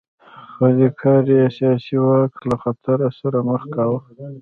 خو دې کار یې سیاسي واک له خطر سره مخ کاوه